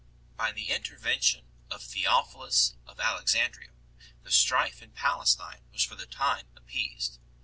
By the intervention of Theophilus of Alexandria the strife in Palestine was for the time appeased 2